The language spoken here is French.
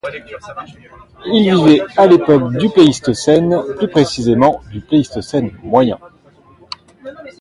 Il vivait à l'époque du Pléistocène, plus précisément du Pléistocène moyen.